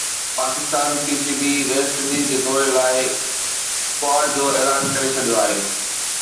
Pakistan P C B West Indies جي دوري لاءِ اسڪواڊ جو اعلان ڪري ڇڏيو آهي